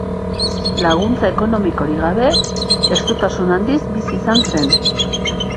Laguntza ekonomikorik gabe, estutasun handiz bizi izan zen.